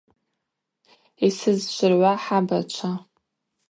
Йсызшвыргӏва, хӏабачва.